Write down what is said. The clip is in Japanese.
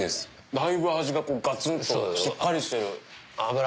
だいぶ味がガツンとしっかりしてる。